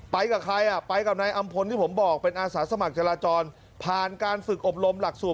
กับใครอ่ะไปกับนายอำพลที่ผมบอกเป็นอาสาสมัครจราจรผ่านการฝึกอบรมหลักสูตร